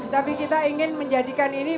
tapi kita ingin menjadikan ini